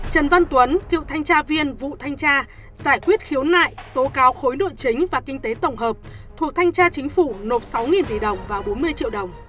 trần văn tuấn cựu thanh tra viên vụ thanh tra giải quyết khiếu nại tố cáo khối nội chính và kinh tế tổng hợp thuộc thanh tra chính phủ nộp sáu tỷ đồng và bốn mươi triệu đồng